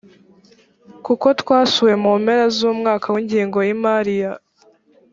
kuko twasuwe mu mpera z umwaka w ingengo y imari ya